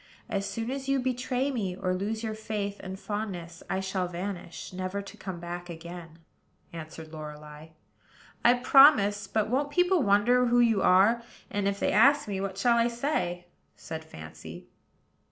As soon as you betray me, or lose your faith and fondness, I shall vanish, never to come back again," answered Lorelei. "I promise: but won't people wonder who you are? and, if they ask me, what shall I say?" said Fancy.